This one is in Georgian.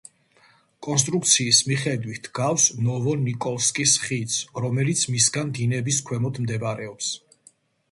კონსტრუქციის მიხედით ჰგავს ნოვო-ნიკოლსკის ხიდს, რომელიც მისგან დინების ქვემოთ მდებარეობს.